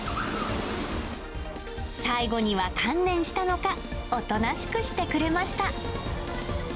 最後には観念したのか、おとなしくしてくれました。